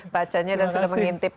bacanya dan sudah mengintip